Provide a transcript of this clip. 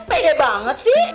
pede banget sih